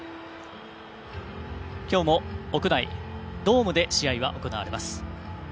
きょうも屋内、ドームで試合は行われます。